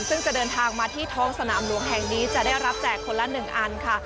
ซึ่งจะเดินทางมาที่ท้องสนามหลวงแห่งนี้จะได้รับแจกคนละ๑อันค่ะ